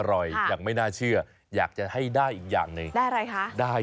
โหไม่คุยทุกชามหรือว่าจะทำอะไร